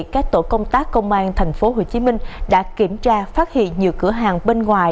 các tổ công tác công an tp hcm đã kiểm tra phát hiện nhiều cửa hàng bên ngoài